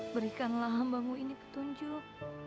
berikanlah hambamu ini petunjuk